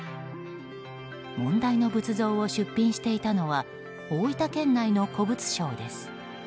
問題の仏像を出品していたのは大分県内の古物商です。